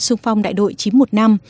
xung phong đại đội chím một năm